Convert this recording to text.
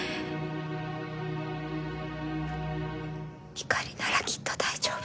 ひかりならきっと大丈夫。